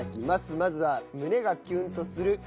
まずは胸がキュンとする！